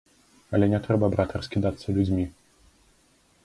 Але не трэба, брат, раскідацца людзьмі.